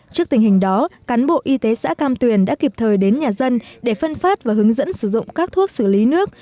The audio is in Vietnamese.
trước tình hình đó cán bộ y tế xã cam tuyền đã kịp thời đến nhà dân để phân phát và hướng dẫn sử dụng các thuốc xử lý nước